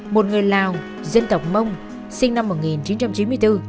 một người lào dân tộc mông sinh năm một nghìn chín trăm chín mươi bốn